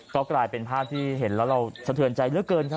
ก็กลายเป็นภาพที่เห็นแล้วเราสะเทือนใจเหลือเกินครับ